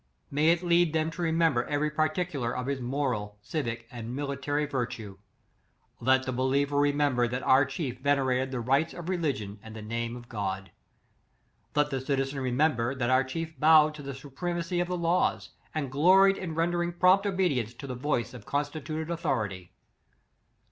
May it lead them to remember every particu lar of his moral, civic, and military vir tue. Let the believer remember that our chief venerated the rites of religion and the name of God. Let the citizen remem ber, that our chief bowed to the suprema cy of the laws, and gloried in rendering prompt obedience to the voice of consti tuted authority.